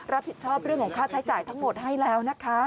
รับผิดชอบเรื่องของค่าใช้จ่ายทั้งหมดให้แล้วนะคะ